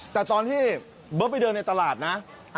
แต่ตอนที่เบิร์ตไปเดินในตลาดนะ